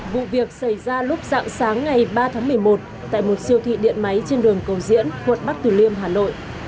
vụ việc xảy ra lúc dạng sáng ngày ba tháng một mươi một tại một siêu thị điện máy trên đường cầu diễn quận bắc từ liêm hà nội